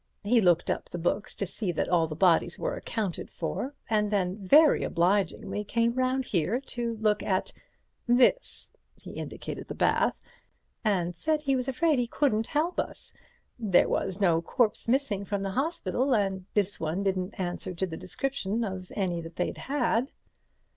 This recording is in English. He looked up the books to see that all the bodies were accounted for, and then very obligingly came round here to look at this"—he indicated the bath—"and said he was afraid he couldn't help us—there was no corpse missing from the hospital, and this one didn't answer to the description of any they'd had."